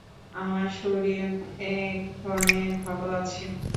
আমার শরীর এক্ষণে ভাল আছে।